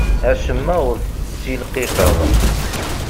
Acemma ur t-ssilqiqeɣ.